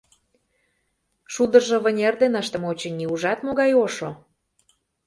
Шулдыржо вынер дене ыштыме, очыни, ужат, могай ошо.